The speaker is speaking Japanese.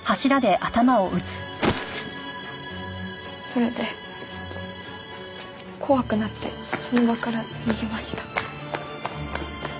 それで怖くなってその場から逃げました。